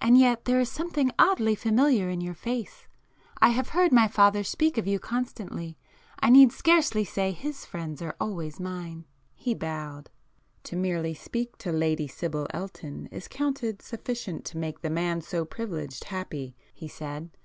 "And yet there is something oddly familiar in your face. I have heard my father speak of you constantly,—I need scarcely say his friends are always mine." He bowed. "To merely speak to Lady Sibyl Elton is counted sufficient to make the man so privileged happy," he said.